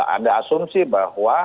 ada asumsi bahwa